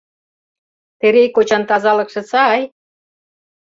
Терей кочан тазалыкше сай?